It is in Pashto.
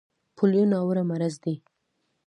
پولیو ناوړه مرض دی.